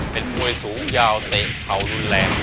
เป็นมวยสูงยาวเตะเข่ารุนแรง